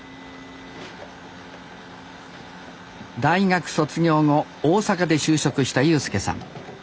大学卒業後大阪で就職した悠介さん。